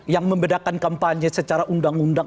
yang membedakan kampanye secara undang undang